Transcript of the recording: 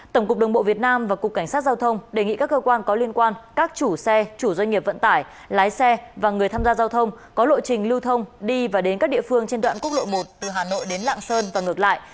tổng cục đường bộ việt nam và cục cảnh sát giao thông đề nghị các cơ quan có liên quan các chủ xe chủ doanh nghiệp vận tải lái xe và người tham gia giao thông có lộ trình lưu thông đi và đến các địa phương trên đoạn quốc lộ một từ hà nội đến lạng sơn và ngược lại